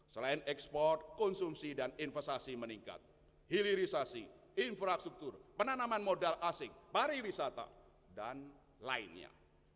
selain ekspor konsumsi dan investasi meningkat hilirisasi infrastruktur penanaman modal asing pariwisata dan lainnya